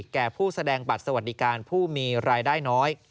แก่ผู้แสดงบัตรสวัสดิการผู้มีรายได้น้อย